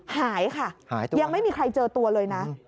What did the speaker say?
หายค่ะยังไม่มีใครเจอตัวเลยนะ